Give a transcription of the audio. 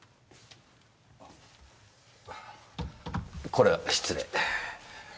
これは失礼。